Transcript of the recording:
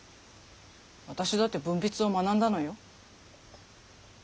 私だって文筆を学んだのよ。